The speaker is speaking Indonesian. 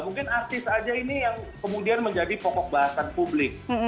mungkin artis aja ini yang kemudian menjadi pokok bahasan publik